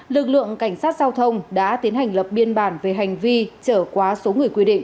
lực lượng cảnh sát giao thông đã tiến hành lập biên bản về hành vi trở quá số người quy định